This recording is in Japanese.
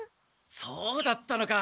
そうだったのか。